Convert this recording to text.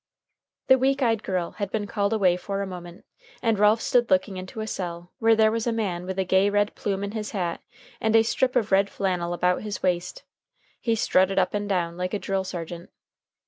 The weak eyed girl had been called away for a moment, and Ralph stood looking into a cell, where there was a man with a gay red plume in his hat and a strip of red flannel about his waist. He strutted up and down like a drill sergeant.